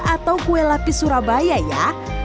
atau kue lapis surabaya ya